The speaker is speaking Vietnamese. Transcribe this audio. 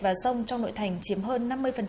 và sông trong nội thành chiếm hơn năm mươi